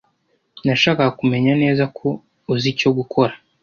Nashakaga kumenya neza ko uzi icyo gukora.